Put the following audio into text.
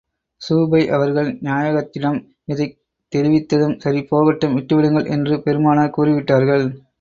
ஸுபைர் அவர்கள் நாயகத்திடம் இதைத் தெரிவித்ததும், சரி போகட்டும் விட்டு விடுங்கள் என்று பெருமானார் கூறி விட்டார்கள்.